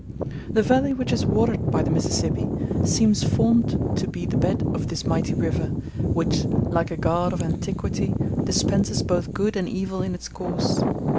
] The valley which is watered by the Mississippi seems formed to be the bed of this mighty river, which, like a god of antiquity, dispenses both good and evil in its course.